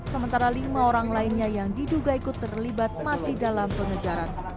sementara lima orang lainnya yang diduga ikut terlibat masih dalam pengejaran